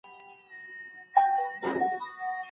که ته وغواړې نو زه به ستا د مننې ملاتړ وکړم.